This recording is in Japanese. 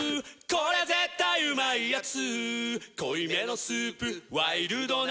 これ絶対うまいやつ」